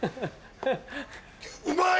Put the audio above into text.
うまい！